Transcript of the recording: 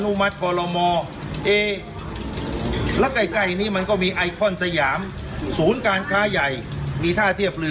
มัติกรมอเอแล้วใกล้ใกล้นี้มันก็มีไอคอนสยามศูนย์การค้าใหญ่มีท่าเทียบเรือ